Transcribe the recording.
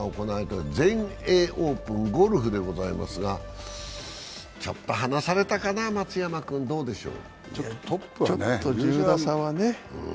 全英オープン、ゴルフでございますがちょっと離されたかな、松山君、どうだろう？